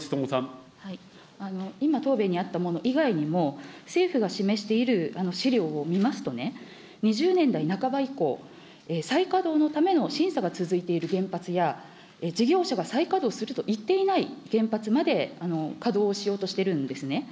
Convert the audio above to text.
今、答弁にあったものえ以外にも、政府が示している資料を見ますとね、２０年代半ば以降、再稼働のための審査が続いている原発や、事業者が再稼働すると言っていない原発まで、稼働をしようとしているんですね。